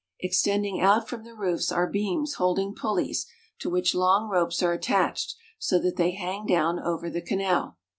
Ex tending out from the roofs are beams holding pulleys, to which long ropes are attached so that they hang down over the canal.